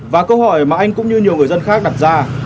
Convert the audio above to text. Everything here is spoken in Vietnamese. và câu hỏi mà anh cũng như nhiều người dân khác đặt ra